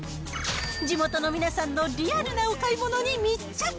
地元の皆さんのリアルなお買い物に密着。